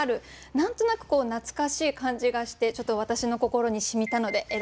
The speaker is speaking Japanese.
何となく懐かしい感じがしてちょっと私の心にしみたので選ばせて頂きました。